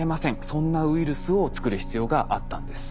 そんなウイルスを作る必要があったんです。